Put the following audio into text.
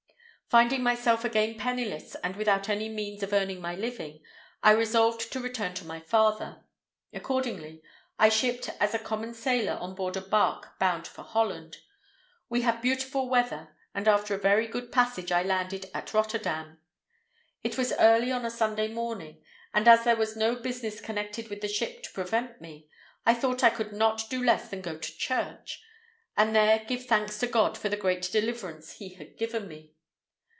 Finding myself again penniless, and without any means of earning my living, I resolved to return to my father. Accordingly, I shipped as a common sailor on board a bark bound for Holland. We had beautiful weather, and after a very good passage I landed at Rotterdam. It was early on a Sunday morning, and as there was no business connected with the ship to prevent me, I thought I could not do less than go to church, and there give thanks to God for the great deliverance He had given me.